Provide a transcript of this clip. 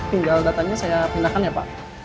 tinggal datanya saya pindahkan ya pak